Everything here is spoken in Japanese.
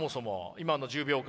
今の１０秒間。